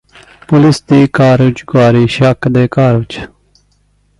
police ਦੀ ਕਾਰਗੁਜ਼ਾਰੀ ਸ਼ੱਕ ਦੇ ਘੇਰੇ ਚ